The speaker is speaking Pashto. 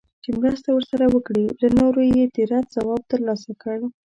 چي مرسته ورسره وکړي له نورو یې د رد ځواب ترلاسه کړ